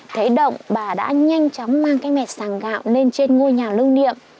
thấy động bà đã nhanh chóng mang cái mẹt sàng gạo lên trên ngôi nhà lưu niệm